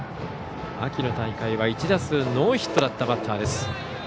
秋の大会は１打数ノーヒットだったバッターです。